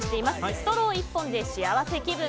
ストロー１本で幸せ気分！